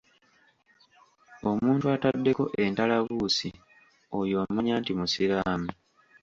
Omuntu ataddeko entalabuusi oyo omanya nti musiraamu.